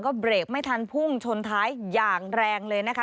เบรกไม่ทันพุ่งชนท้ายอย่างแรงเลยนะคะ